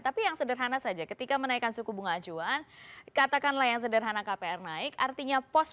tapi yang sederhana saja ketika menaikkan suku bunga acuan katakanlah yang sederhana kpr naik artinya pos pos pengeluaran juga harus kinerja